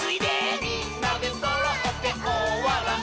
「みんなでそろっておおわらい」